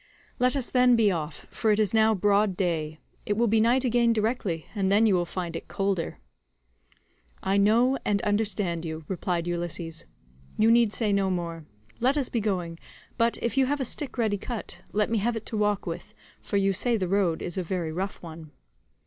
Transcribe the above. Let us then be off, for it is now broad day; it will be night again directly and then you will find it colder."142 "I know, and understand you," replied Ulysses; "you need say no more. Let us be going, but if you have a stick ready cut, let me have it to walk with, for you say the road is a very rough one."